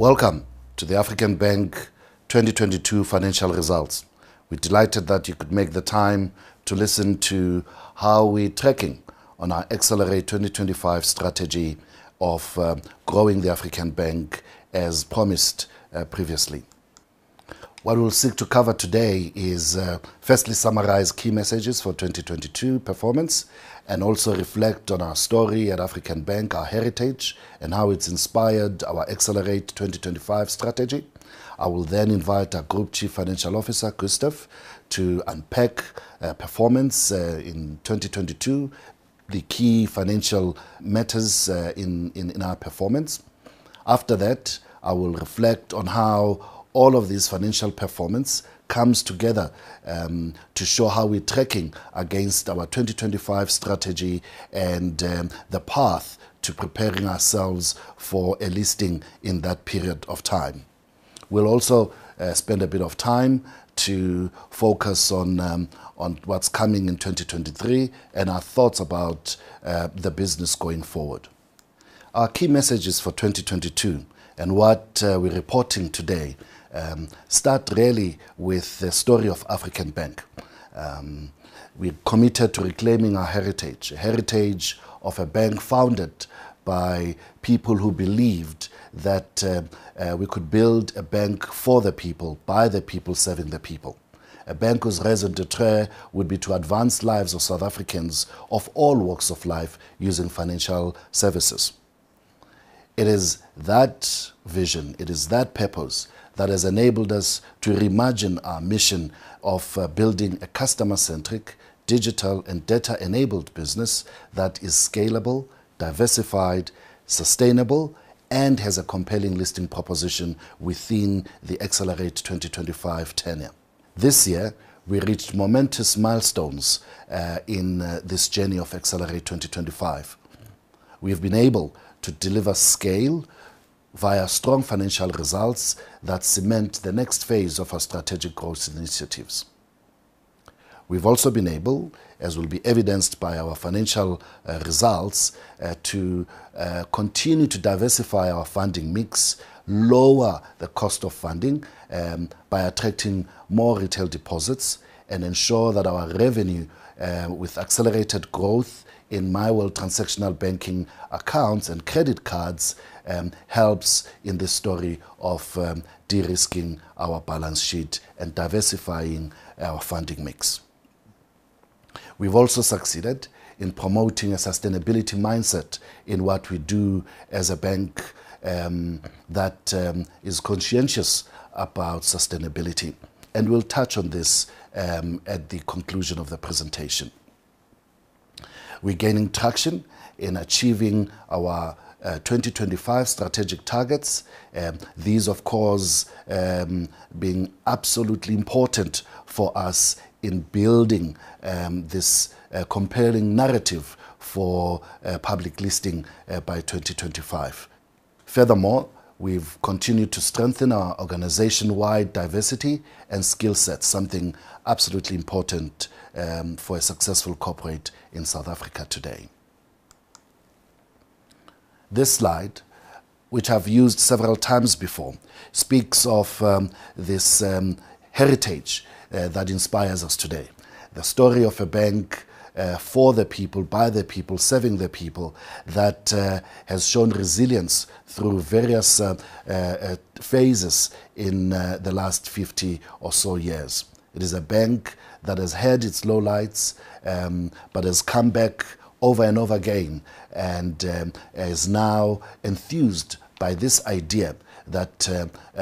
Welcome to the African Bank 2022 financial results. We're delighted that you could make the time to listen to how we're tracking on our Excelerate25 strategy of growing the African Bank as promised previously. What we'll seek to cover today is firstly, summarize key messages for 2022 performance and also reflect on our story at African Bank, our heritage, and how it's inspired our Excelerate25 strategy. I will then invite our Group Chief Financial Officer, Gustav, to unpack performance in 2022, the key financial matters in our performance. After that, I will reflect on how all of this financial performance comes together to show how we're tracking against our 2025 strategy and the path to preparing ourselves for a listing in that period of time. We'll also spend a bit of time to focus on what's coming in 2023 and our thoughts about the business going forward. Our key messages for 2022 and what we're reporting today start really with the story of African Bank. We're committed to reclaiming our heritage, a heritage of a bank founded by people who believed that we could build a bank for the people, by the people, serving the people. A bank whose raison d'être would be to advance lives of South Africans of all walks of life using financial services. It is that vision, it is that purpose that has enabled us to reimagine our mission of building a customer-centric, digital and data-enabled business that is scalable, diversified, sustainable, and has a compelling listing proposition within the Excelerate25 tenure. This year, we reached momentous milestones in this journey of Excelerate25. We have been able to deliver scale via strong financial results that cement the next phase of our strategic growth initiatives. We've also been able, as will be evidenced by our financial results, to continue to diversify our funding mix, lower the cost of funding, by attracting more retail deposits, and ensure that our revenue, with accelerated growth in MyWORLD transactional banking accounts and credit cards, helps in the story of de-risking our balance sheet and diversifying our funding mix. We've also succeeded in promoting a sustainability mindset in what we do as a bank, that is conscientious about sustainability, and we'll touch on this at the conclusion of the presentation. We're gaining traction in achieving our 2025 strategic targets. These, of course, being absolutely important for us in building this compelling narrative for public listing by 2025. Furthermore, we've continued to strengthen our organization-wide diversity and skill set, something absolutely important for a successful corporate in South Africa today. This slide, which I've used several times before, speaks of this heritage that inspires us today. The story of a bank for the people, by the people, serving the people that has shown resilience through various phases in the last 50 or so years. It is a bank that has had its lowlights, but has come back over and over again and is now enthused by this idea that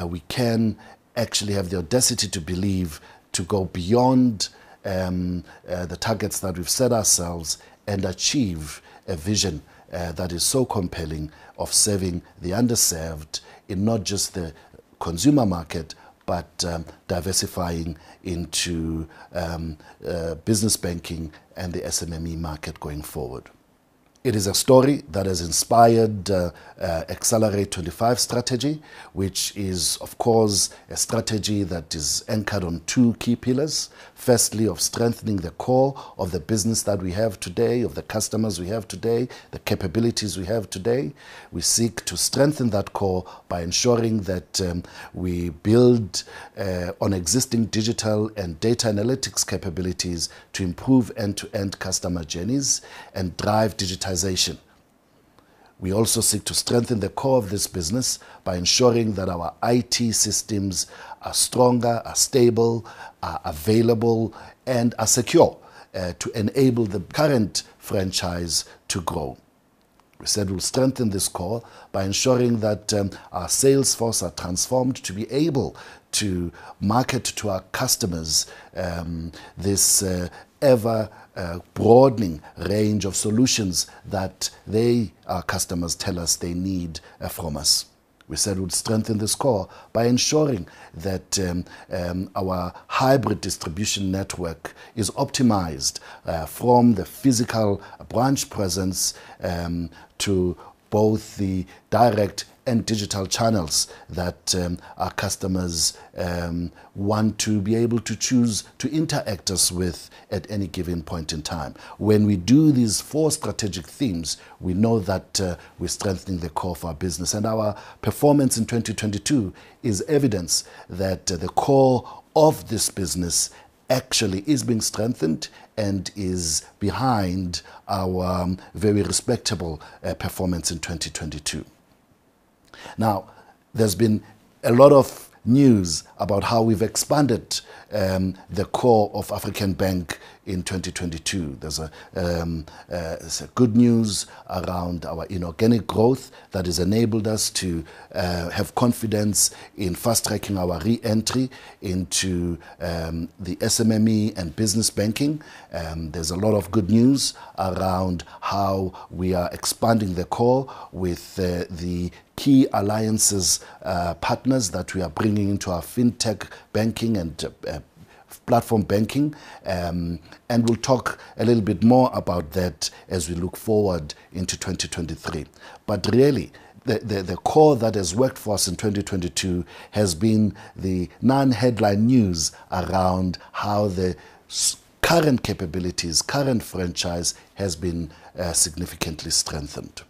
we can actually have the audacity to believe to go beyond the targets that we've set ourselves and achieve a vision that is so compelling of serving the underserved in not just the consumer market, but diversifying into business banking and the SMME market going forward. It is a story that has inspired Excelerate25 strategy, which is, of course, a strategy that is anchored on two key pillars. Firstly, of strengthening the core of the business that we have today, of the customers we have today, the capabilities we have today. We seek to strengthen that core by ensuring that we build on existing digital and data analytics capabilities to improve end-to-end customer journeys and drive digitization. We also seek to strengthen the core of this business by ensuring that our IT systems are stronger, are stable, are available, and are secure to enable the current franchise to grow. We said we'll strengthen this core by ensuring that our sales force are transformed to be able to market to our customers, this ever broadening range of solutions that they, our customers, tell us they need from us. We said we'd strengthen this core by ensuring that our hybrid distribution network is optimized from the physical branch presence to both the direct and digital channels that our customers want to be able to choose to interact us with at any given point in time. When we do these four strategic themes, we know that we're strengthening the core of our business, and our performance in 2022 is evidence that the core of this business actually is being strengthened and is behind our very respectable performance in 2022. Now, there's been a lot of news about how we've expanded the core of African Bank in 2022. There's good news around our inorganic growth that has enabled us to have confidence in fast-tracking our re-entry into the SMME and business banking. There's a lot of good news around how we are expanding the core with the key alliances, partners that we are bringing into our fintech banking and platform banking. We'll talk a little bit more about that as we look forward into 2023. Really the core that has worked for us in 2022 has been the non-headline news around how the current capabilities, current franchise has been significantly strengthened.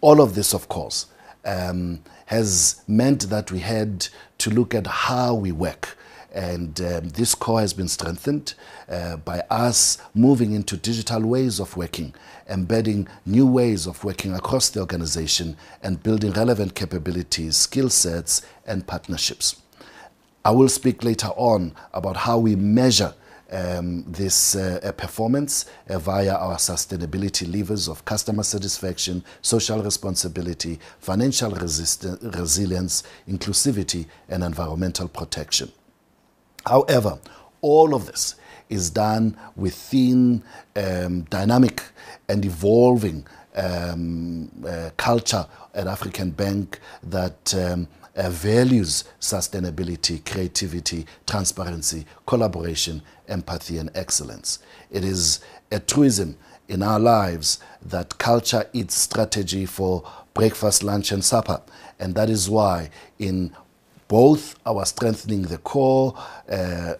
All of this, of course, has meant that we had to look at how we work, and this core has been strengthened by us moving into digital ways of working, embedding new ways of working across the organization, and building relevant capabilities, skill sets, and partnerships. I will speak later on about how we measure this performance via our sustainability levers of customer satisfaction, social responsibility, financial resilience, inclusivity, and environmental protection. However, all of this is done within dynamic and evolving culture at African Bank that values sustainability, creativity, transparency, collaboration, empathy, and excellence. It is a truism in our lives that culture eats strategy for breakfast, lunch, and supper. That is why in both our strengthening the core,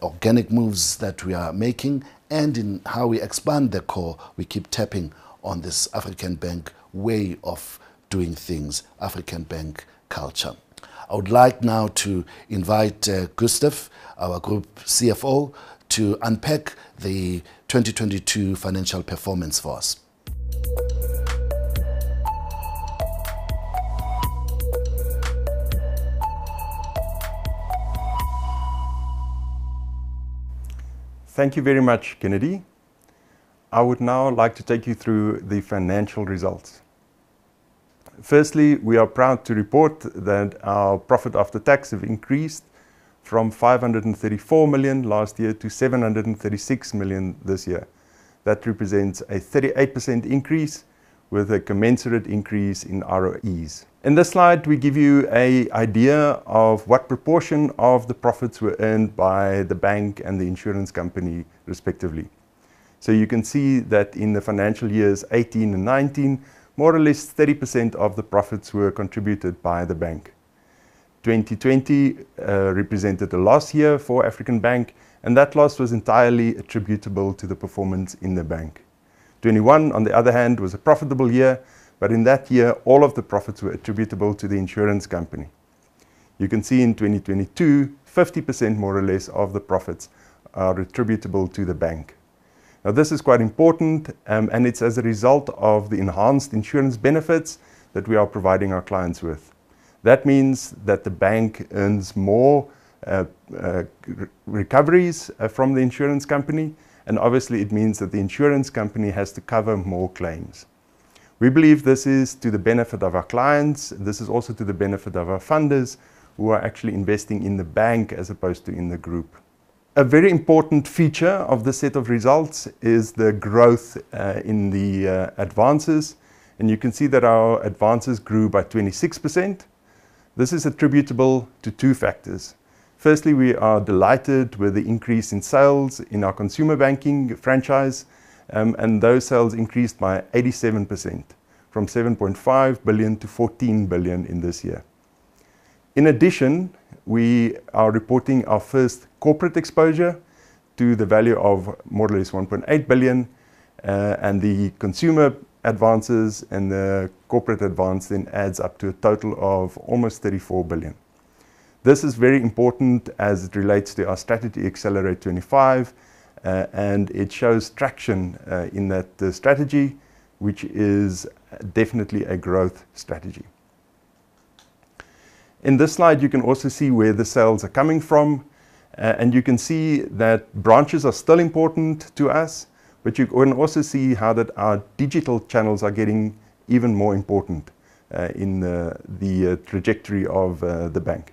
organic moves that we are making and in how we expand the core, we keep tapping on this African Bank way of doing things, African Bank culture. I would like now to invite Gustav, our Group CFO, to unpack the 2022 financial performance for us. Thank you very much, Kennedy. I would now like to take you through the financial results. Firstly, we are proud to report that our profit after tax have increased from 534 million last year to 736 million this year. That represents a 38% increase with a commensurate increase in ROEs. In this slide, we give you a idea of what proportion of the profits were earned by the bank and the insurance company respectively. You can see that in the financial years 2018 and 2019, more or less 30% of the profits were contributed by the bank. Twenty twenty represented a loss year for African Bank, and that loss was entirely attributable to the performance in the bank. Twenty twenty one, on the other hand, was a profitable year, but in that year, all of the profits were attributable to the insurance company. You can see in 2022, 50% more or less of the profits are attributable to the bank. This is quite important, and it's as a result of the enhanced insurance benefits that we are providing our clients with. That means that the bank earns more recoveries from the insurance company, and obviously, it means that the insurance company has to cover more claims. We believe this is to the benefit of our clients. This is also to the benefit of our funders, who are actually investing in the bank as opposed to in the group. A very important feature of this set of results is the growth in the advances. You can see that our advances grew by 26%. This is attributable to two factors. Firstly, we are delighted with the increase in sales in our consumer banking franchise. Those sales increased by 87% from 7.5 billion to 14 billion in this year. We are reporting our first corporate exposure to the value of more or less 1.8 billion. The consumer advances and the corporate advance then adds up to a total of almost 34 billion. This is very important as it relates to our strategy, Excelerate25. It shows traction in that the strategy, which is definitely a growth strategy. In this slide, you can also see where the sales are coming from. You can see that branches are still important to us, but you can also see how that our digital channels are getting even more important in the trajectory of the bank.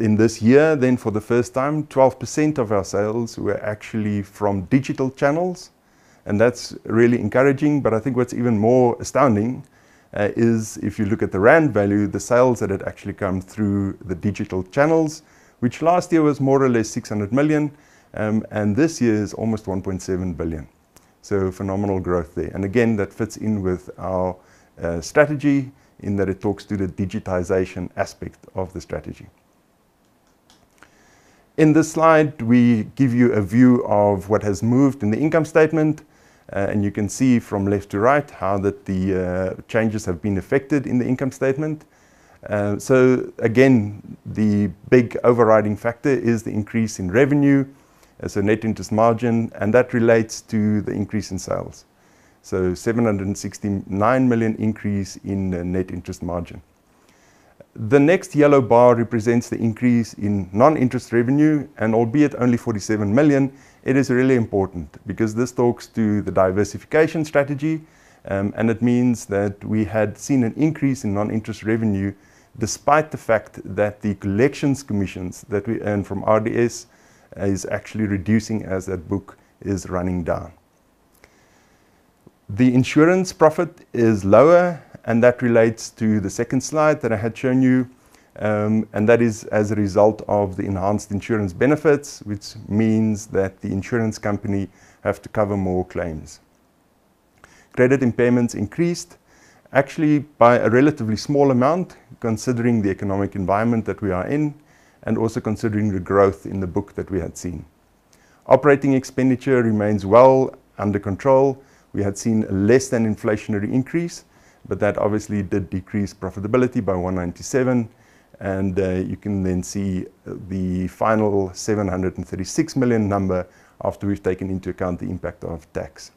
In this year then, for the first time, 12% of our sales were actually from digital channels, and that's really encouraging. I think what's even more astounding, is if you look at the rand value, the sales that had actually come through the digital channels, which last year was more or less 600 million, and this year is almost 1.7 billion. Phenomenal growth there. Again, that fits in with our strategy in that it talks to the digitization aspect of the strategy. In this slide, we give you a view of what has moved in the income statement. You can see from left to right how that the changes have been affected in the income statement. Again, the big overriding factor is the increase in revenue as a net interest margin, and that relates to the increase in sales. 769 million increase in net interest margin. The next yellow bar represents the increase in non-interest revenue, and albeit only 47 million, it is really important because this talks to the diversification strategy, and it means that we had seen an increase in non-interest revenue despite the fact that the collections commissions that we earn from RDS is actually reducing as that book is running down. The insurance profit is lower, and that relates to the second slide that I had shown you. That is as a result of the enhanced insurance benefits, which means that the insurance company have to cover more claims. Credit impairments increased actually by a relatively small amount considering the economic environment that we are in and also considering the growth in the book that we had seen. Operating expenditure remains well under control. We had seen less than inflationary increase, that obviously did decrease profitability by 197. You can see the final 736 million number after we've taken into account the impact of tax.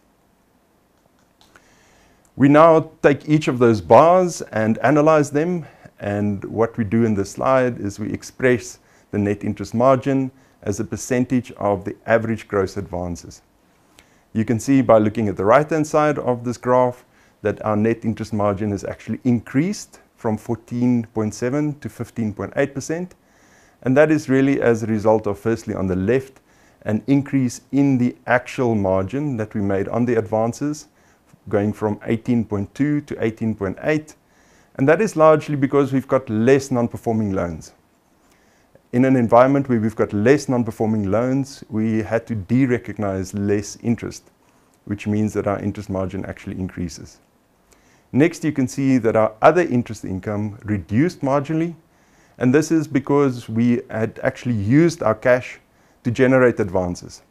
We now take each of those bars and analyze them. What we do in this slide is we express the net interest margin as a percentage of the average gross advances. You can see by looking at the right-hand side of this graph that our net interest margin has actually increased from 14.7% to 15.8%. That is really as a result of, firstly on the left, an increase in the actual margin that we made on the advances going from 18.2% to 18.8%. That is largely because we've got less non-performing loans. In an environment where we've got less non-performing loans, we had to derecognize less interest, which means that our interest margin actually increases. Next, you can see that our other interest income reduced marginally, and this is because we had actually used our cash to generate advances.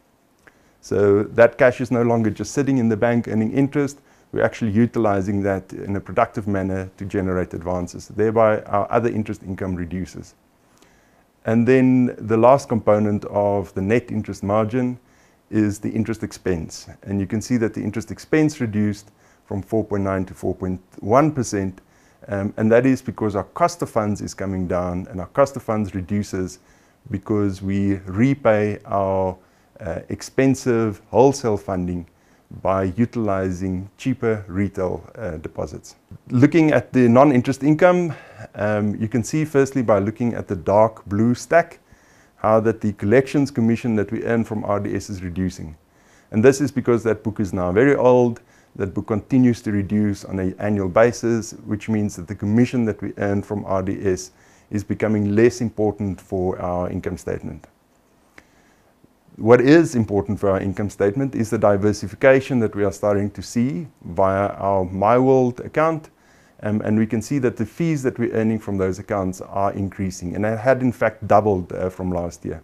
That cash is no longer just sitting in the bank earning interest. We're actually utilizing that in a productive manner to generate advances. Thereby, our other interest income reduces. The last component of the net interest margin is the interest expense. You can see that the interest expense reduced from 4.9% to 4.1%. That is because our cost of funds is coming down and our cost of funds reduces because we repay our expensive wholesale funding by utilizing cheaper retail deposits. Looking at the non-interest income, you can see firstly by looking at the dark blue stack how that the collections commission that we earn from RDS is reducing. This is because that book is now very old. That book continues to reduce on an annual basis, which means that the commission that we earn from RDS is becoming less important for our income statement. What is important for our income statement is the diversification that we are starting to see via our MyWORLD account. We can see that the fees that we're earning from those accounts are increasing, and they had in fact doubled from last year.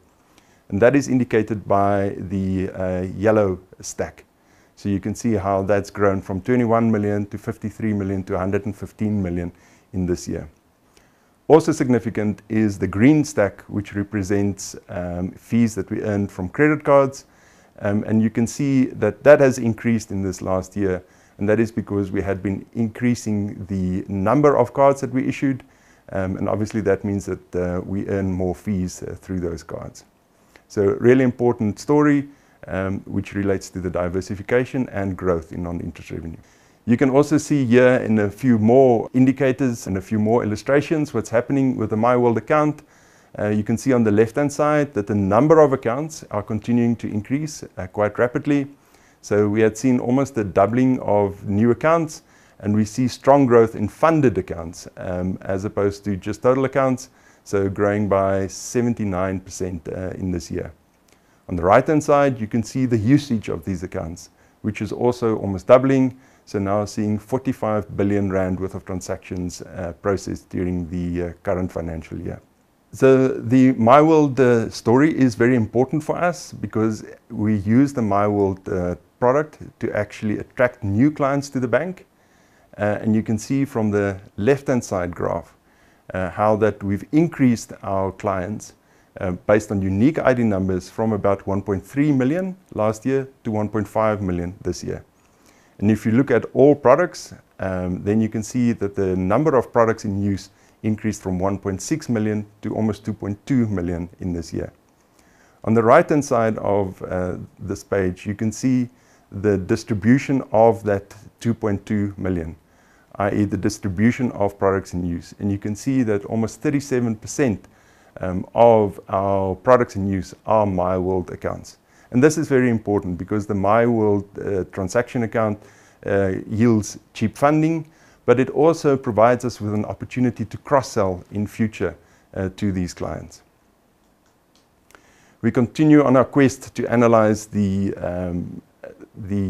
That is indicated by the yellow stack. You can see how that's grown from 21 million to 53 million to 115 million in this year. Also significant is the green stack, which represents fees that we earn from credit cards. You can see that that has increased in this last year, and that is because we had been increasing the number of cards that we issued. Obviously, that means that we earn more fees through those cards. A really important story, which relates to the diversification and growth in non-interest revenue. You can also see here in a few more indicators and a few more illustrations what's happening with the MyWORLD account. You can see on the left-hand side that the number of accounts are continuing to increase quite rapidly. We had seen almost a doubling of new accounts, and we see strong growth in funded accounts as opposed to just total accounts, growing by 79% in this year. On the right-hand side, you can see the usage of these accounts, which is also almost doubling. Now we're seeing 45 billion rand worth of transactions processed during the current financial year. The MyWORLD story is very important for us because we use the MyWORLD product to actually attract new clients to the bank. You can see from the left-hand side graph, how that we've increased our clients, based on unique ID numbers from about 1.3 million last year to 1.5 million this year. If you look at all products, you can see that the number of products in use increased from 1.6 million to almost 2.2 million in this year. On the right-hand side of this page, you can see the distribution of that 2.2 million, i.e. the distribution of products in use. You can see that almost 37% of our products in use are MyWORLD accounts. This is very important because the MyWORLD transaction account yields cheap funding, but it also provides us with an opportunity to cross-sell in future to these clients. We continue on our quest to analyze the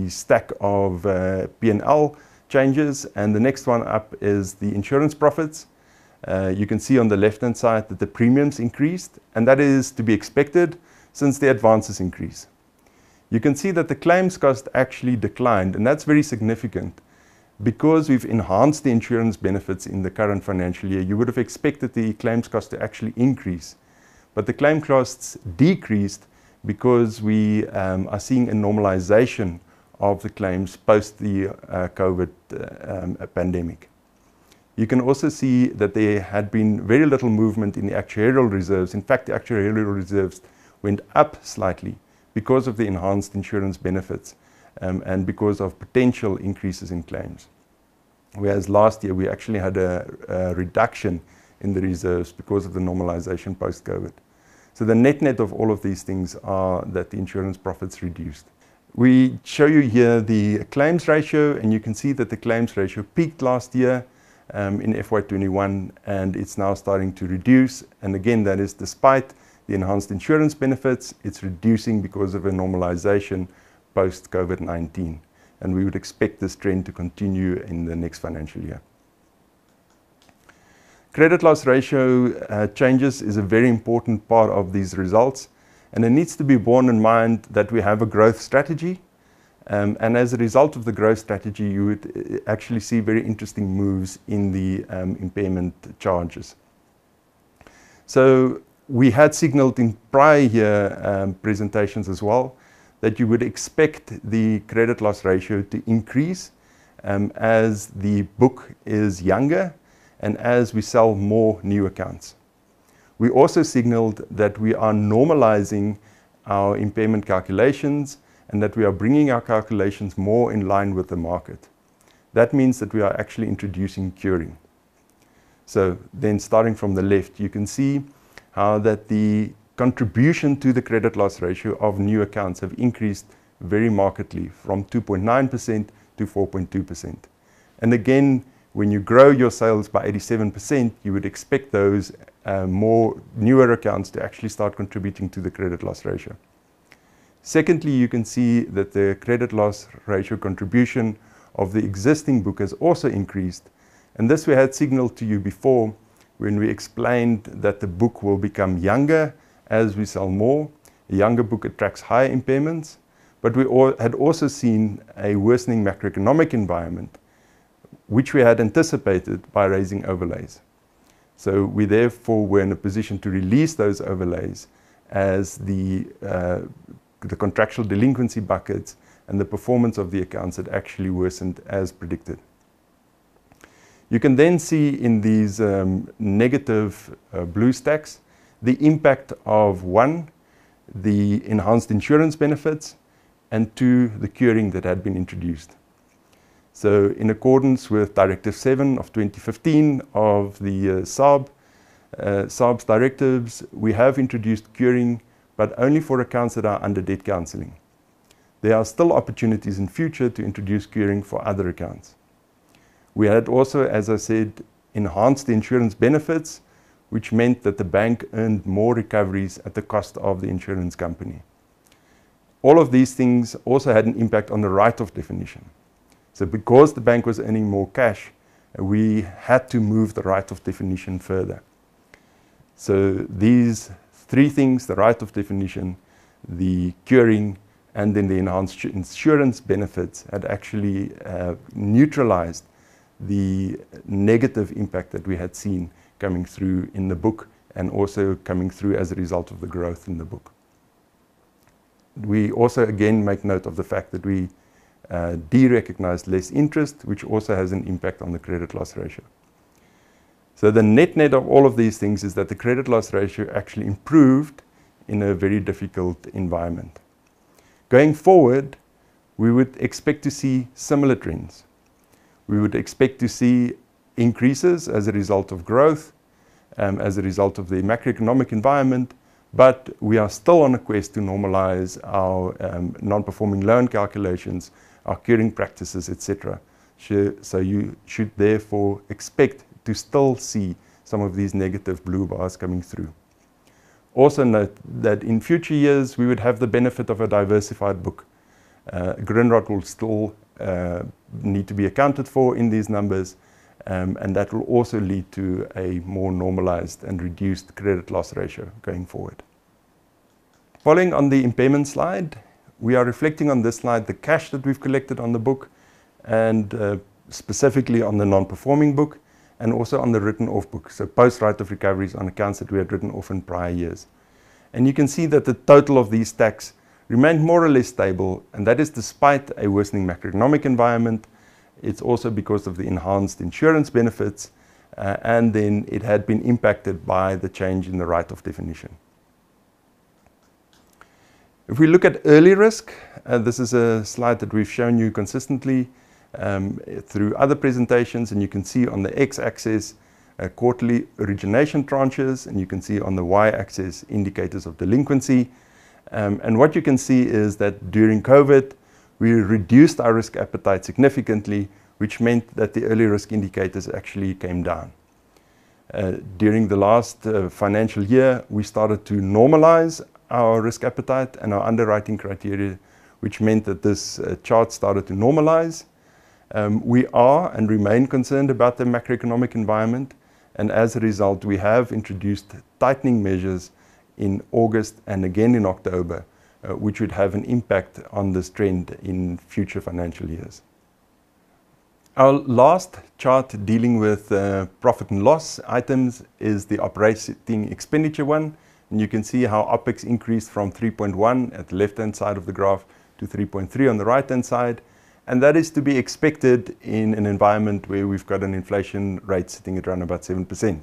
stack of P&L changes, and the next one up is the insurance profits. You can see on the left-hand side that the premiums increased, and that is to be expected since the advances increased. You can see that the claims cost actually declined, and that's very significant. Because we've enhanced the insurance benefits in the current financial year, you would have expected the claims cost to actually increase. The claim costs decreased because we are seeing a normalization of the claims post the COVID pandemic. You can also see that there had been very little movement in the actuarial reserves. In fact, the actuarial reserves went up slightly because of the enhanced insurance benefits and because of potential increases in claims. Last year, we actually had a reduction in the reserves because of the normalization post-COVID. The net-net of all of these things are that the insurance profits reduced. We show you here the claims ratio. You can see that the claims ratio peaked last year in FY 2021, and it's now starting to reduce. Again, that is despite the enhanced insurance benefits. It's reducing because of a normalization post-COVID-19. We would expect this trend to continue in the next financial year. Credit loss ratio changes is a very important part of these results. It needs to be borne in mind that we have a growth strategy. As a result of the growth strategy, you would actually see very interesting moves in the impairment charges. We had signaled in prior year presentations as well that you would expect the credit loss ratio to increase as the book is younger and as we sell more new accounts. We also signaled that we are normalizing our impairment calculations and that we are bringing our calculations more in line with the market. That means that we are actually introducing curing. Starting from the left, you can see how that the contribution to the credit loss ratio of new accounts have increased very markedly from 2.9% to 4.2%. Again, when you grow your sales by 87%, you would expect those more newer accounts to actually start contributing to the credit loss ratio. Secondly, you can see that the credit loss ratio contribution of the existing book has also increased, and this we had signaled to you before when we explained that the book will become younger as we sell more. A younger book attracts higher impairments, but we had also seen a worsening macroeconomic environment, which we had anticipated by raising overlays. We therefore were in a position to release those overlays as the contractual delinquency buckets and the performance of the accounts had actually worsened as predicted. You can then see in these negative blue stacks, the impact of, one, the enhanced insurance benefits and, two, the curing that had been introduced. In accordance with Directive 7 of 2015 of the SARB's directives, we have introduced curing, but only for accounts that are under debt counseling. There are still opportunities in future to introduce curing for other accounts. We had also, as I said, enhanced the insurance benefits, which meant that African Bank earned more recoveries at the cost of the insurance company. All of these things also had an impact on the right of definition. Because African Bank was earning more cash, we had to move the right of definition further. These three things, the right of definition, the curing, and then the enhanced insurance benefits, had actually neutralized the negative impact that we had seen coming through in the book and also coming through as a result of the growth in the book. We also again make note of the fact that we derecognized less interest, which also has an impact on the credit loss ratio. The net-net of all of these things is that the credit loss ratio actually improved in a very difficult environment. Going forward, we would expect to see similar trends. We would expect to see increases as a result of growth, as a result of the macroeconomic environment. We are still on a quest to normalize our non-performing loan calculations, our curing practices, et cetera. You should therefore expect to still see some of these negative blue bars coming through. Also note that in future years, we would have the benefit of a diversified book. Grindrod will still need to be accounted for in these numbers. That will also lead to a more normalized and reduced credit loss ratio going forward. Following on the impairment slide, we are reflecting on this slide the cash that we've collected on the book and specifically on the non-performing book and also on the written-off book. Post right of recoveries on accounts that we had written off in prior years. You can see that the total of these stacks remained more or less stable, and that is despite a worsening macroeconomic environment. It's also because of the enhanced insurance benefits, and then it had been impacted by the change in the right of definition. If we look at early risk, this is a slide that we've shown you consistently through other presentations, you can see on the X-axis, quarterly origination tranches, you can see on the Y-axis indicators of delinquency. What you can see is that during COVID, we reduced our risk appetite significantly, which meant that the early risk indicators actually came down. During the last financial year, we started to normalize our risk appetite and our underwriting criteria, which meant that this chart started to normalize. We are and remain concerned about the macroeconomic environment, and as a result, we have introduced tightening measures in August and again in October, which would have an impact on this trend in future financial years. Our last chart dealing with profit and loss items is the operating expenditure one. You can see how OpEx increased from 3.1 at the left-hand side of the graph to 3.3 on the right-hand side, and that is to be expected in an environment where we've got an inflation rate sitting at around about 7%.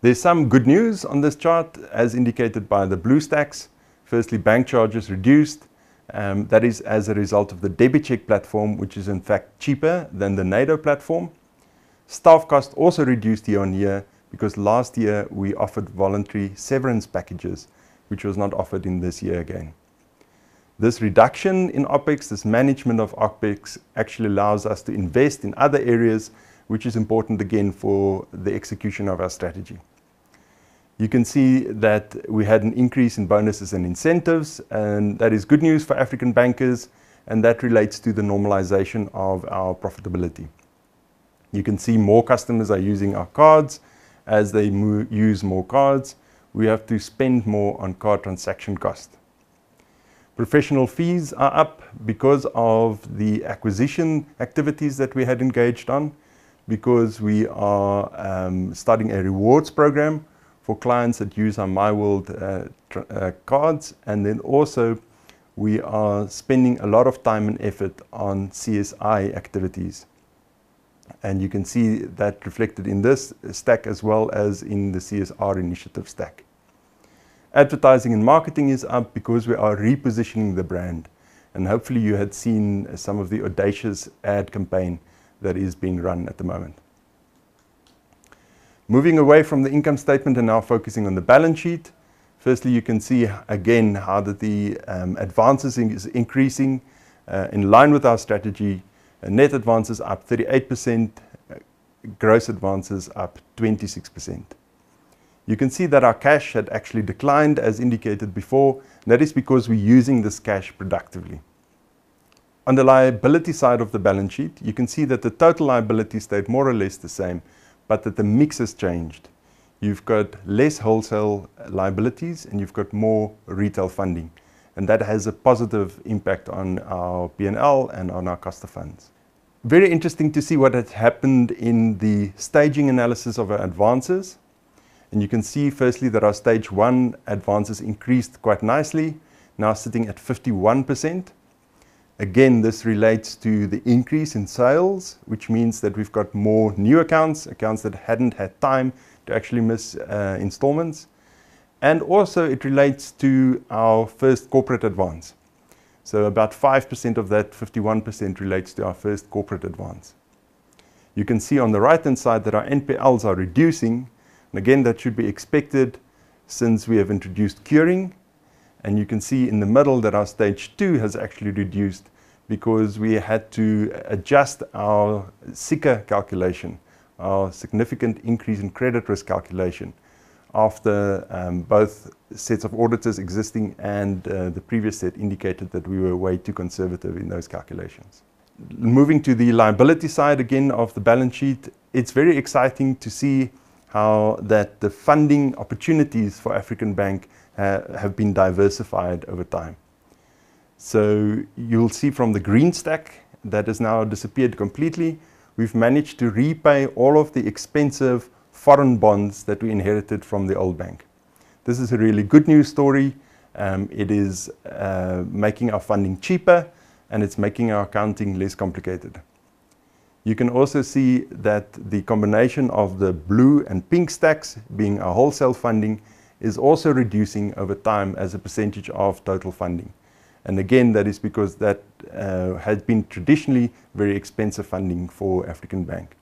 There's some good news on this chart, as indicated by the blue stacks. Firstly, bank charges reduced, that is as a result of the DebiCheck platform, which is in fact cheaper than the NAEDO platform. Staff costs also reduced year-on-year because last year we offered voluntary severance packages, which was not offered in this year again. This reduction in OpEx, this management of OpEx, actually allows us to invest in other areas, which is important again for the execution of our strategy. You can see that we had an increase in bonuses and incentives. That is good news for African Bankers. That relates to the normalization of our profitability. You can see more customers are using our cards. As they use more cards, we have to spend more on card transaction costs. Professional fees are up because of the acquisition activities that we had engaged on, because we are starting a rewards program for clients that use our MyWORLD cards. Also we are spending a lot of time and effort on CSI activities. You can see that reflected in this stack as well as in the CSR initiative stack. Advertising and marketing is up because we are repositioning the brand. Hopefully you had seen some of the audacious ad campaign that is being run at the moment. Moving away from the income statement and now focusing on the balance sheet. Firstly, you can see again how the advances is increasing in line with our strategy. Net advances up 38%. Gross advances up 26%. You can see that our cash had actually declined, as indicated before. That is because we're using this cash productively. On the liability side of the balance sheet, you can see that the total liability stayed more or less the same, but that the mix has changed. You've got less wholesale liabilities and you've got more retail funding, and that has a positive impact on our P&L and on our customer funds. Very interesting to see what has happened in the staging analysis of our advances. You can see firstly that our stage one advances increased quite nicely, now sitting at 51%. This relates to the increase in sales, which means that we've got more new accounts that hadn't had time to actually miss installments. Also it relates to our first corporate advance. About 5% of that 51% relates to our first corporate advance. You can see on the right-hand side that our NPLs are reducing. Again, that should be expected since we have introduced curing. You can see in the middle that our stage 2 has actually reduced because we had to adjust our SICR calculation, our significant increase in credit risk calculation, after both sets of auditors existing and the previous set indicated that we were way too conservative in those calculations. Moving to the liability side again of the balance sheet, it's very exciting to see how that the funding opportunities for African Bank have been diversified over time. You'll see from the green stack that has now disappeared completely. We've managed to repay all of the expensive foreign bonds that we inherited from the old bank. This is a really good news story. It is making our funding cheaper and it's making our accounting less complicated. You can also see that the combination of the blue and pink stacks being our wholesale funding is also reducing over time as a percentage of total funding. Again, that is because that had been traditionally very expensive funding for African Bank.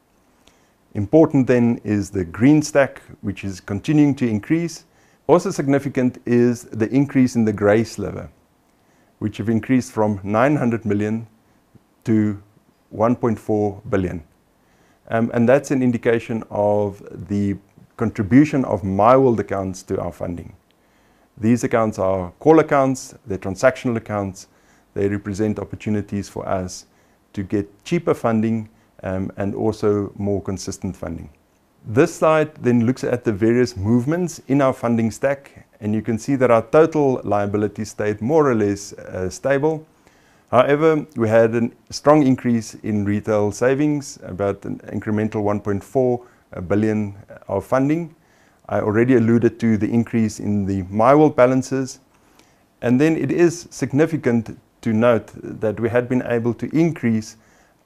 Important is the green stack, which is continuing to increase. Also significant is the increase in the gray sliver, which have increased from 900 million to 1.4 billion. And that's an indication of the contribution of MyWORLD accounts to our funding. These accounts are call accounts. They're transactional accounts. They represent opportunities for us to get cheaper funding and also more consistent funding. This slide then looks at the various movements in our funding stack, and you can see that our total liability stayed more or less stable. However, we had a strong increase in retail savings, about an incremental 1.4 billion of funding. I already alluded to the increase in the MyWORLD balances. And then it is significant to note that we had been able to increase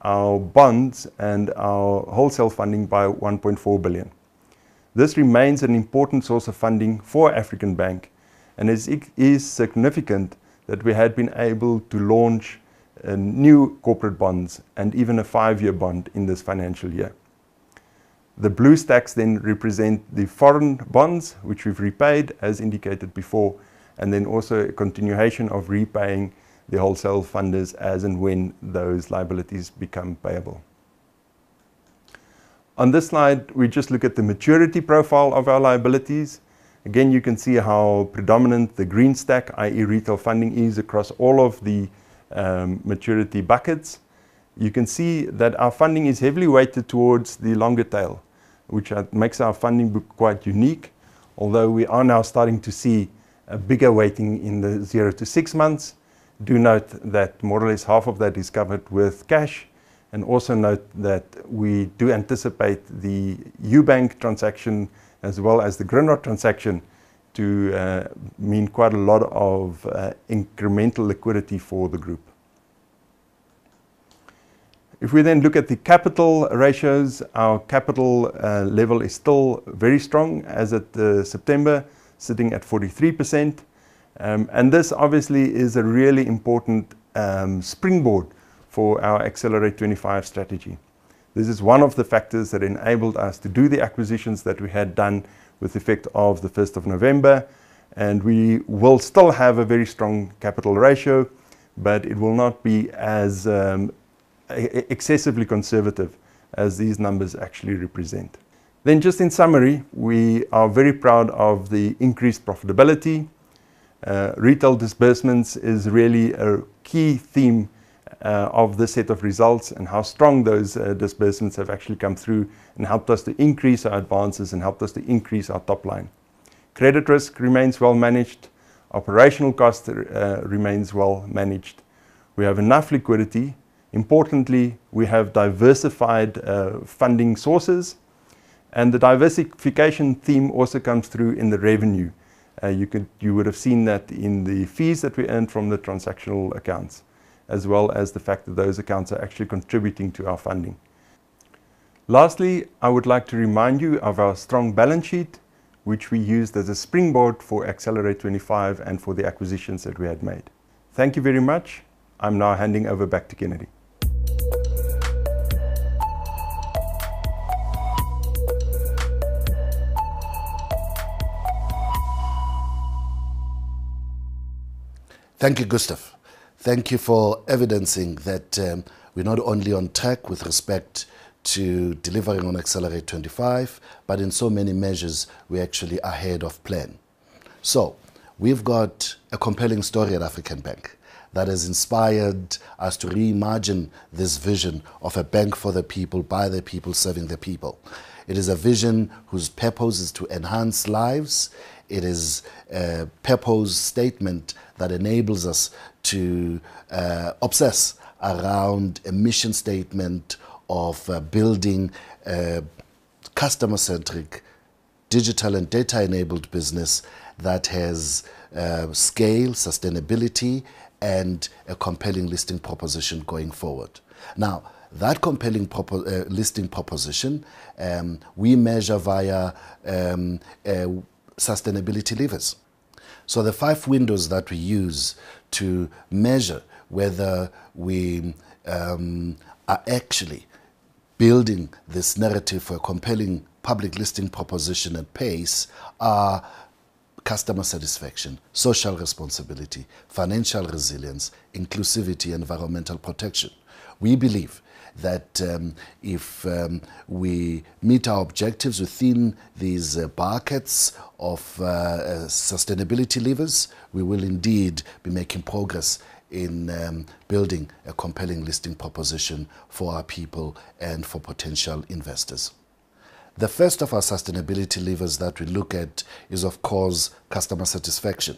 our bonds and our wholesale funding by 1.4 billion. This remains an important source of funding for African Bank and is significant that we had been able to launch new corporate bonds and even a five-year bond in this financial year. The blue stacks then represent the foreign bonds which we've repaid as indicated before, and then also a continuation of repaying the wholesale funders as and when those liabilities become payable. On this slide, we just look at the maturity profile of our liabilities. Again, you can see how predominant the green stack, i.e. retail funding, is across all of the maturity buckets. You can see that our funding is heavily weighted towards the longer tail, which makes our funding book quite unique. Although we are now starting to see a bigger weighting in the zero to six months. Note that more or less half of that is covered with cash. Also note that we do anticipate the Ubank transaction as well as the Grindrod transaction to mean quite a lot of incremental liquidity for the group. If we look at the capital ratios, our capital level is still very strong as at September, sitting at 43%. This obviously is a really important springboard for our Excelerate25 strategy. This is one of the factors that enabled us to do the acquisitions that we had done with effect of the 1st of November. We will still have a very strong capital ratio, but it will not be as excessively conservative as these numbers actually represent. Just in summary, we are very proud of the increased profitability. Retail disbursements is really a key theme of this set of results and how strong those disbursements have actually come through and helped us to increase our advances and helped us to increase our top line. Credit risk remains well managed. Operational cost remains well managed. We have enough liquidity. Importantly, we have diversified funding sources, and the diversification theme also comes through in the revenue. You would have seen that in the fees that we earn from the transactional accounts, as well as the fact that those accounts are actually contributing to our funding. Lastly, I would like to remind you of our strong balance sheet, which we used as a springboard for Excelerate25 and for the acquisitions that we had made. Thank you very much. I'm now handing over back to Kennedy. Thank you, Gustav. Thank you for evidencing that, we're not only on track with respect to delivering on Excelerate25, but in so many measures we're actually ahead of plan. We've got a compelling story at African Bank that has inspired us to reimagine this vision of a bank for the people, by the people, serving the people. It is a vision whose purpose is to enhance lives. It is a purpose statement that enables us to obsess around a mission statement of building a customer-centric digital and data-enabled business that has scale, sustainability and a compelling listing proposition going forward. That compelling listing proposition, we measure via a sustainability levers. The five windows that we use to measure whether we are actually building this narrative for compelling public listing proposition and pace are customer satisfaction, social responsibility, financial resilience, inclusivity, environmental protection. We believe that if we meet our objectives within these buckets of sustainability levers, we will indeed be making progress in building a compelling listing proposition for our people and for potential investors. The first of our sustainability levers that we look at is, of course, customer satisfaction.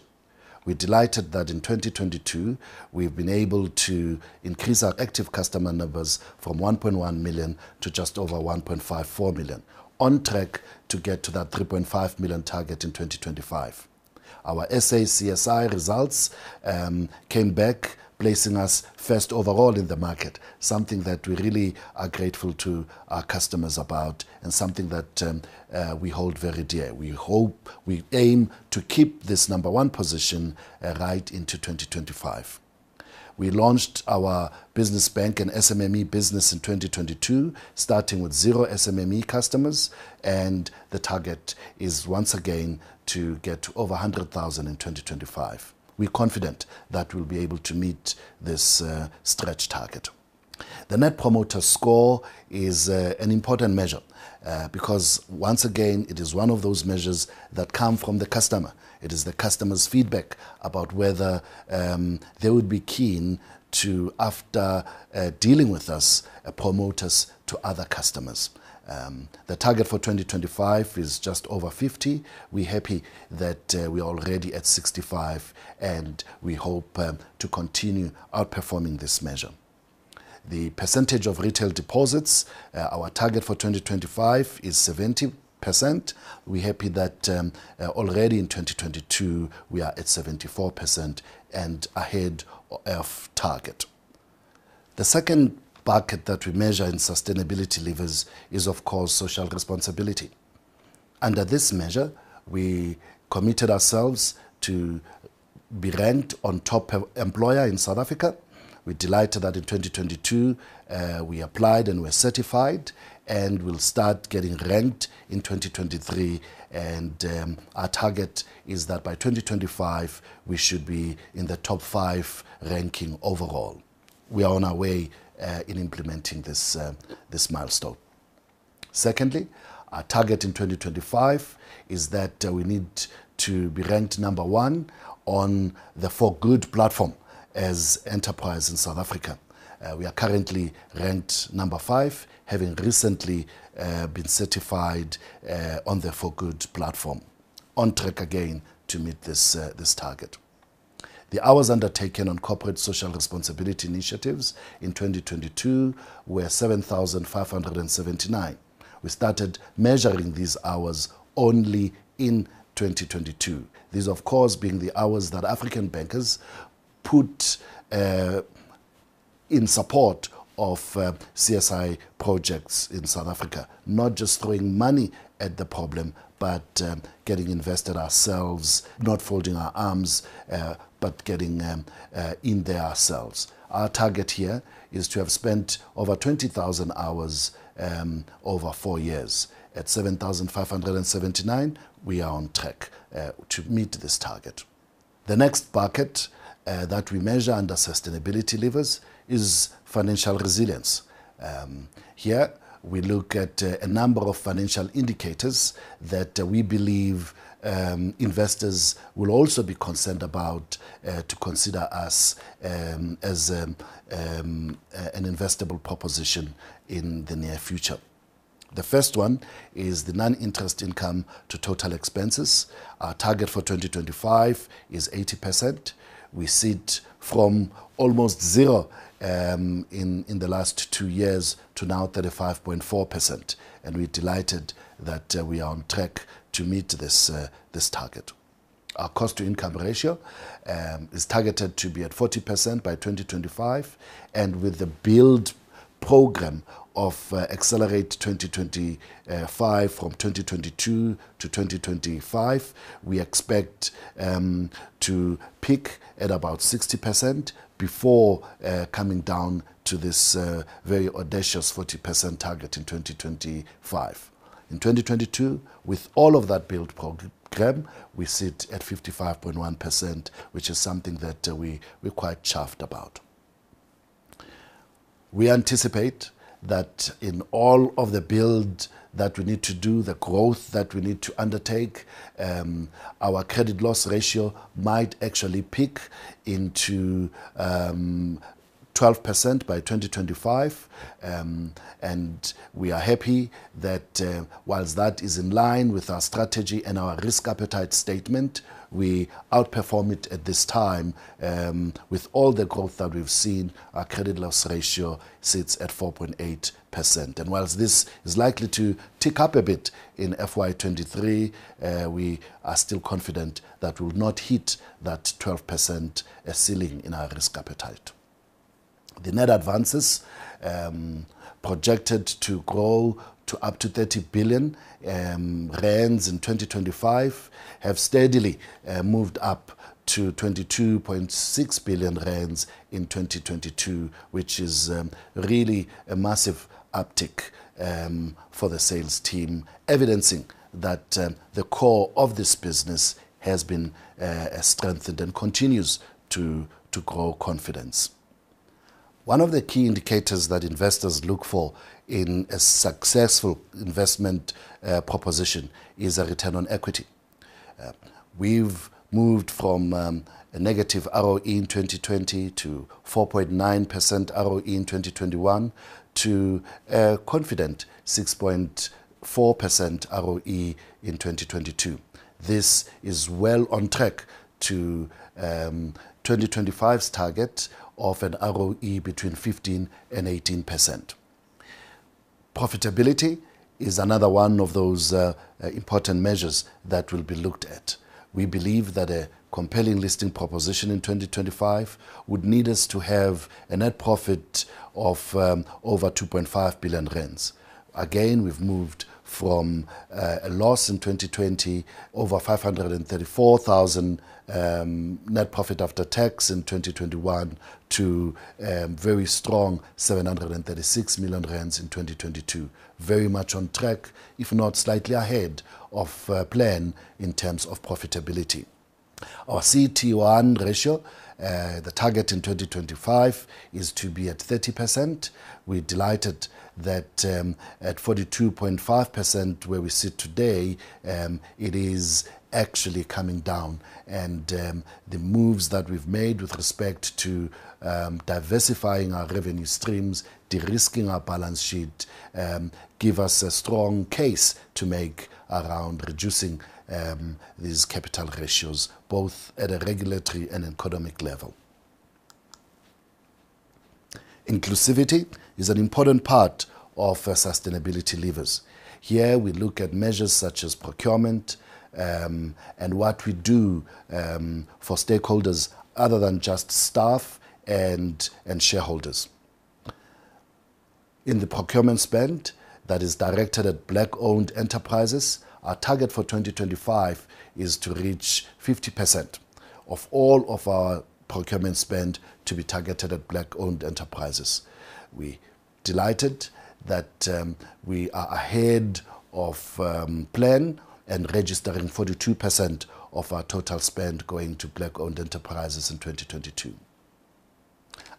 We're delighted that in 2022 we've been able to increase our active customer numbers from 1.1 million to just over 1.54 million. On track to get to that 3.5 million target in 2025. Our SA CSI results, came back placing us first overall in the market, something that we really are grateful to our customers about and something that, we hold very dear. We aim to keep this number one position, right into 2025. We launched our business bank and SMME business in 2022, starting with zero SMME customers. The target is once again to get to over 100,000 in 2025. We're confident that we'll be able to meet this stretch target. The Net Promoter Score is an important measure, because once again, it is one of those measures that come from the customer. It is the customer's feedback about whether, they would be keen to, after, dealing with us, promote us to other customers. The target for 2025 is just over 50. We're happy that we're already at 65, and we hope to continue outperforming this measure. The percentage of retail deposits, our target for 2025 is 70%. We're happy that already in 2022 we are at 74% and ahead of target. The second bucket that we measure in sustainability levers is, of course, social responsibility. Under this measure, we committed ourselves to be ranked on Top Employer in South Africa. We're delighted that in 2022 we applied and we're certified and will start getting ranked in 2023. Our target is that by 2025, we should be in the top five ranking overall. We are on our way in implementing this milestone. Our target in 2025 is that we need to be ranked number one on the forgood platform as enterprise in South Africa. We are currently ranked number five, having recently been certified on the forgood platform. On track again to meet this target. The hours undertaken on corporate social responsibility initiatives in 2022 were 7,579. We started measuring these hours only in 2022. These, of course, being the hours that African Bankers put in support of CSI projects in South Africa. Not just throwing money at the problem, but getting invested ourselves, not folding our arms, but getting in there ourselves. Our target here is to have spent over 20,000 hours over four years. At 7,579, we are on track to meet this target. The next bucket that we measure under sustainability levers is financial resilience. Here we look at a number of financial indicators that we believe investors will also be concerned about to consider us as an investable proposition in the near future. The first one is the non-interest income to total expenses. Our target for 2025 is 80%. We sit from almost zero in the last 2 years to now 35.4%, and we're delighted that we are on track to meet this target. Our cost-to-income ratio is targeted to be at 40% by 2025. With the build program of Excelerate25 from 2022 to 2025, we expect to peak at about 60% before coming down to this very audacious 40% target in 2025. In 2022, with all of that build program, we sit at 55.1%, which is something that we're quite chuffed about. We anticipate that in all of the build that we need to do, the growth that we need to undertake, our credit loss ratio might actually peak into 12% by 2025. We are happy that, whilst that is in line with our strategy and our risk appetite statement, we outperform it at this time. With all the growth that we've seen, our credit loss ratio sits at 4.8%. Whilst this is likely to tick up a bit in FY 2023, we are still confident that we'll not hit that 12% ceiling in our risk appetite. Net advances, projected to grow to up to 30 billion rand in 2025, have steadily moved up to 22.6 billion rand in 2022, which is really a massive uptick for the sales team, evidencing that the core of this business has been strengthened and continues to grow confidence. One of the key indicators that investors look for in a successful investment proposition is a return on equity. We've moved from a negative ROE in 2020 to 4.9% ROE in 2021 to a confident 6.4% ROE in 2022. This is well on track to 2025's target of an ROE between 15%-18%. Profitability is another one of those important measures that will be looked at. We believe that a compelling listing proposition in 2025 would need us to have a net profit of over 2.5 billion rand. Again, we've moved from a loss in 2020, over 534,000 net profit after tax in 2021 to very strong 736 million rand in 2022. Very much on track, if not slightly ahead of plan in terms of profitability. Our CET1 ratio, the target in 2025 is to be at 30%. We're delighted that, at 42.5%, where we sit today, it is actually coming down. The moves that we've made with respect to diversifying our revenue streams, de-risking our balance sheet, give us a strong case to make around reducing these capital ratios, both at a regulatory and economic level. Inclusivity is an important part of sustainability levers. Here we look at measures such as procurement, and what we do for stakeholders other than just staff and shareholders. In the procurement spend that is directed at Black-owned enterprises, our target for 2025 is to reach 50% of all of our procurement spend to be targeted at Black-owned enterprises. We delighted that we are ahead of plan and registering 42% of our total spend going to black-owned enterprises in 2022.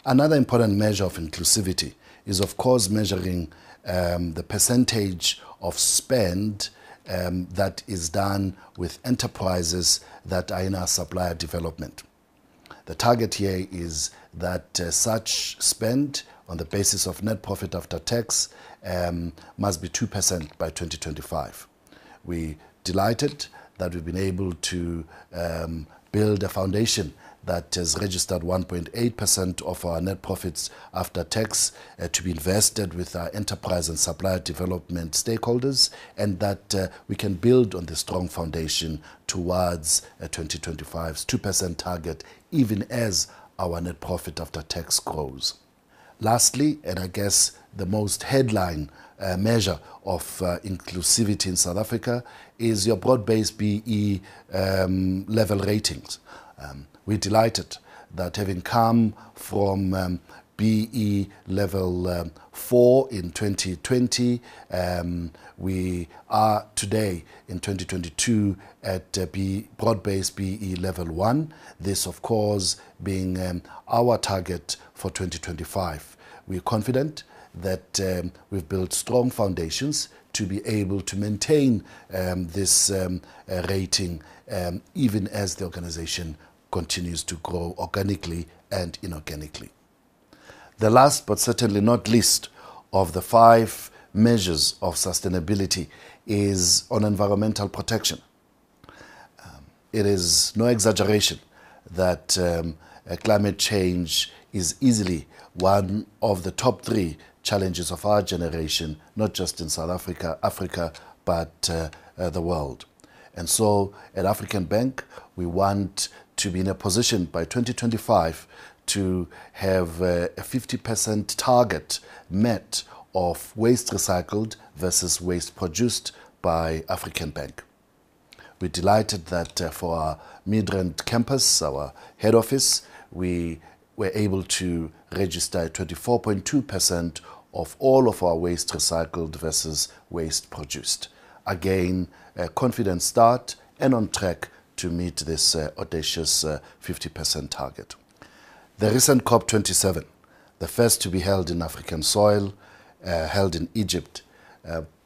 Another important measure of inclusivity is of course measuring the percentage of spend that is done with enterprises that are in our supplier development. The target here is that such spend on the basis of net profit after tax must be 2% by 2025. We delighted that we've been able to build a foundation that has registered 1.8% of our net profits after tax to be invested with our enterprise and supplier development stakeholders, and that we can build on the strong foundation towards a 2025's 2% target, even as our net profit after tax grows. Lastly, I guess the most headline measure of inclusivity in South Africa is your Broad-Based BEE level ratings. We're delighted that having come from BEE level 4 in 2020, we are today in 2022 at Broad-Based BEE level 1. This of course being our target for 2025. We're confident that we've built strong foundations to be able to maintain this rating even as the organization continues to grow organically and inorganically. The last but certainly not least of the five measures of sustainability is on environmental protection. It is no exaggeration that climate change is easily one of the top three challenges of our generation, not just in South Africa, but the world. At African Bank, we want to be in a position by 2025 to have a 50% target met of waste recycled versus waste produced by African Bank. We're delighted that for our Midrand campus, our head office, we were able to register 24.2% of all of our waste recycled versus waste produced. Again, a confident start and on track to meet this audacious 50% target. The recent COP27, the first to be held in African soil, held in Egypt,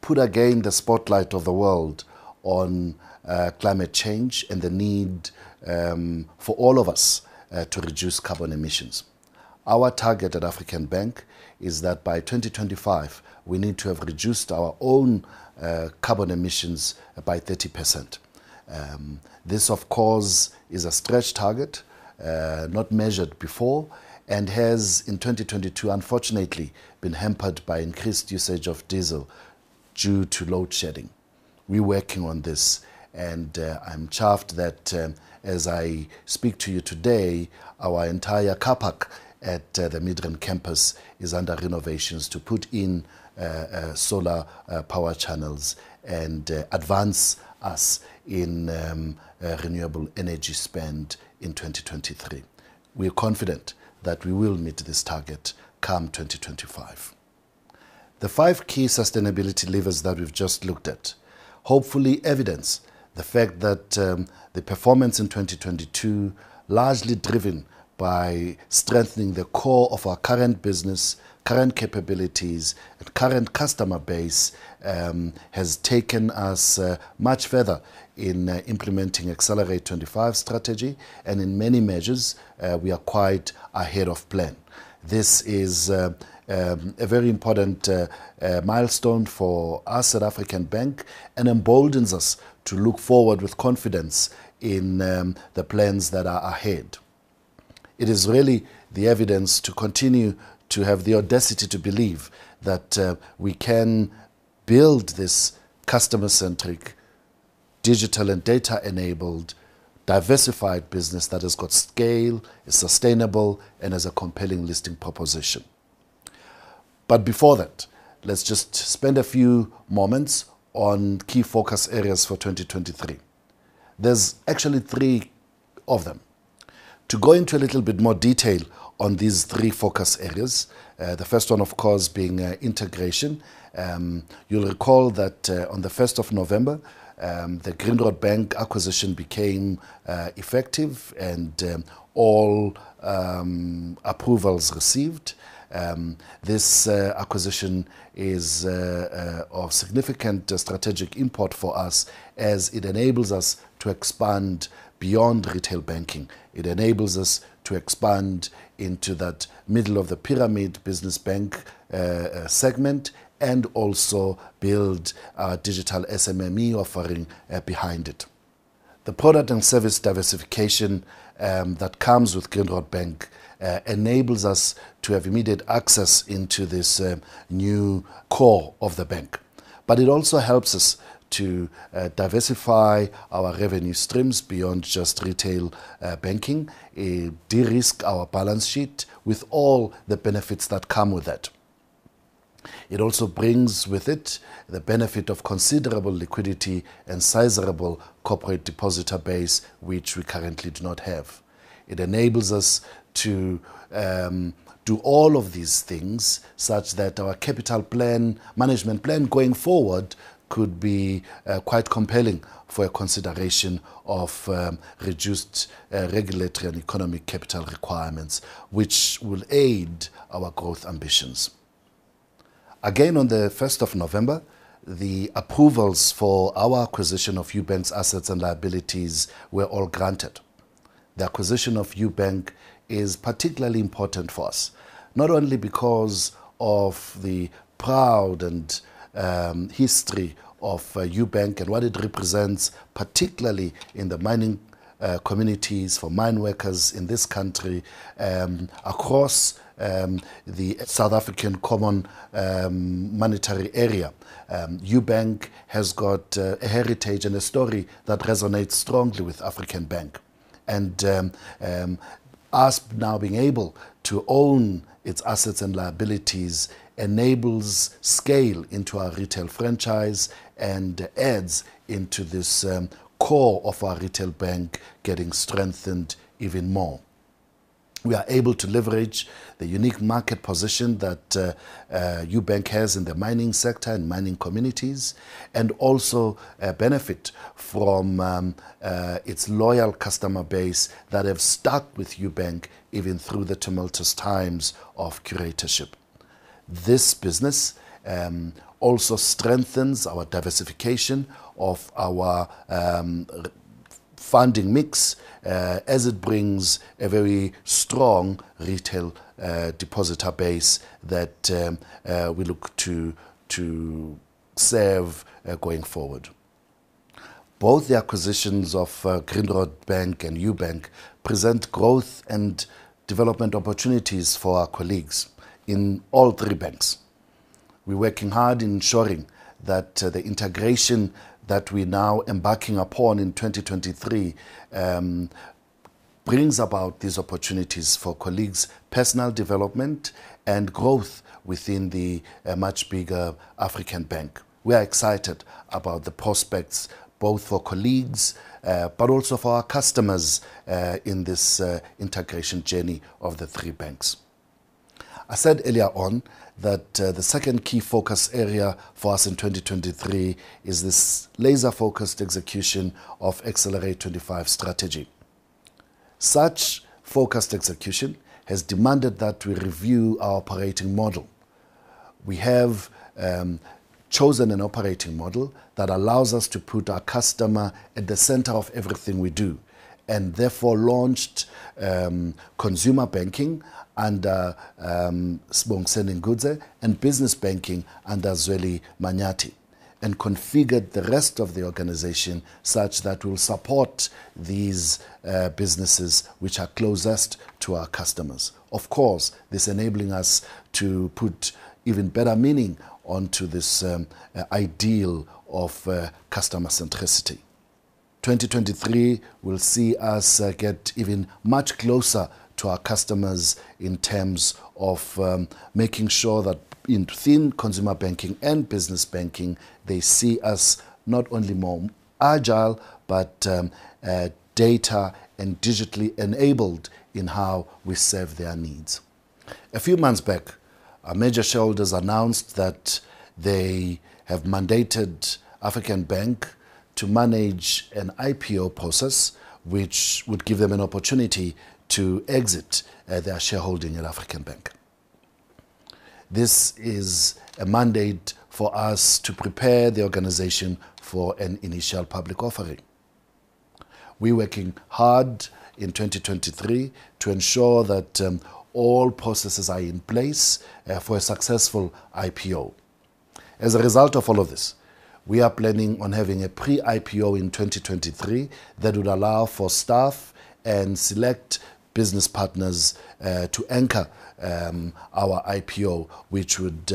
put again the spotlight of the world on climate change and the need for all of us to reduce carbon emissions. Our target at African Bank is that by 2025, we need to have reduced our own carbon emissions by 30%. This of course is a stretch target, not measured before and has in 2022 unfortunately been hampered by increased usage of diesel due to load shedding. We're working on this, I'm chuffed that as I speak to you today, our entire car park at the Midrand campus is under renovations to put in solar power channels and advance us in renewable energy spend in 2023. We're confident that we will meet this target come 2025. The five key sustainability levers that we've just looked at hopefully evidence the fact that the performance in 2022, largely driven by strengthening the core of our current business, current capabilities, and current customer base, has taken us much further in implementing Excelerate25 strategy and in many measures, we are quite ahead of plan. This is a very important milestone for us at African Bank and emboldens us to look forward with confidence in the plans that are ahead. It is really the evidence to continue to have the audacity to believe that we can build this customer-centric, digital and data-enabled, diversified business that has got scale, is sustainable, and has a compelling listing proposition. Before that, let's just spend a few moments on key focus areas for 2023. There's actually three of them. To go into a little bit more detail on these three focus areas, the 1st one of course being integration. You'll recall that on the 1st of November, the Grindrod Bank acquisition became effective and all approvals received. This acquisition is of significant strategic import for us as it enables us to expand beyond retail banking. It enables us to expand into that middle of the pyramid business bank segment and also build our digital SMME offering behind it. The product and service diversification that comes with Grindrod Bank enables us to have immediate access into this new core of the bank. It also helps us to diversify our revenue streams beyond just retail banking, de-risk our balance sheet with all the benefits that come with that. It also brings with it the benefit of considerable liquidity and sizable corporate depositor base which we currently do not have. It enables us to do all of these things such that our capital plan, management plan going forward could be quite compelling for a consideration of reduced regulatory and economic capital requirements, which will aid our growth ambitions. On the first of November, the approvals for our acquisition of Ubank's assets and liabilities were all granted. The acquisition of Ubank is particularly important for us, not only because of the proud and history of Ubank and what it represents, particularly in the mining communities for mine workers in this country, across the Common Monetary Area. Ubank has got a heritage and a story that resonates strongly with African Bank. Us now being able to own its assets and liabilities enables scale into our retail franchise and adds into this core of our retail bank getting strengthened even more. We are able to leverage the unique market position that Ubank has in the mining sector and mining communities and also benefit from its loyal customer base that have stuck with Ubank even through the tumultuous times of curatorship. This business also strengthens our diversification of our funding mix, as it brings a very strong retail depositor base that we look to serve going forward. Both the acquisitions of Grindrod Bank and Ubank present growth and development opportunities for our colleagues in all three banks. We're working hard ensuring that the integration that we're now embarking upon in 2023 brings about these opportunities for colleagues' personal development and growth within the much bigger African Bank. We are excited about the prospects both for colleagues, but also for our customers, in this integration journey of the three banks. I said earlier on that the second key focus area for us in 2023 is this laser-focused execution of Excelerate25 strategy. Such focused execution has demanded that we review our operating model. We have chosen an operating model that allows us to put our customer at the center of everything we do, and therefore launched consumer banking under Sibongiseni Ngundze, and business banking under Zweli Manyathi, and configured the rest of the organization such that we'll support these businesses which are closest to our customers. Of course, this enabling us to put even better meaning onto this ideal of customer centricity. 2023 will see us get even much closer to our customers in terms of making sure that within consumer banking and business banking, they see us not only more agile, but data and digitally enabled in how we serve their needs. A few months back, our major shareholders announced that they have mandated African Bank to manage an IPO process which would give them an opportunity to exit their shareholding in African Bank. This is a mandate for us to prepare the organization for an initial public offering. We're working hard in 2023 to ensure that all processes are in place for a successful IPO. As a result of all of this, we are planning on having a pre-IPO in 2023 that would allow for staff and select business partners to anchor our IPO, which would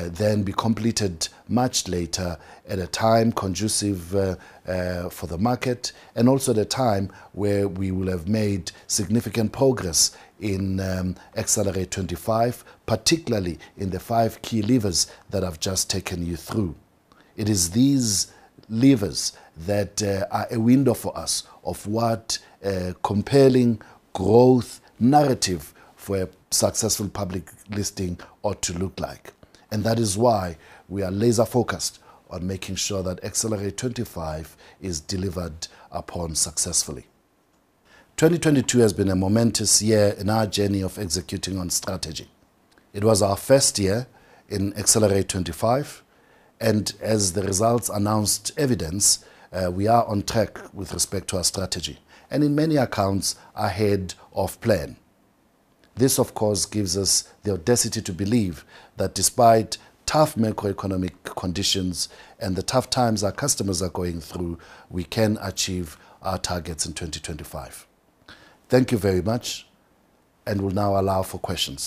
then be completed much later at a time conducive for the market, and also at a time where we will have made significant progress in Excelerate25, particularly in the five key levers that I've just taken you through. It is these levers that are a window for us of what a compelling growth narrative for a successful public listing ought to look like. That is why we are laser-focused on making sure that Excelerate25 is delivered upon successfully. 2022 has been a momentous year in our journey of executing on strategy. It was our first year in Excelerate25, as the results announced evidence, we are on track with respect to our strategy, and in many accounts, ahead of plan. This, of course, gives us the audacity to believe that despite tough macroeconomic conditions and the tough times our customers are going through, we can achieve our targets in 2025. Thank you very much. We'll now allow for questions